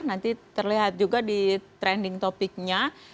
nanti terlihat juga di trending topicnya